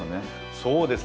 そうですね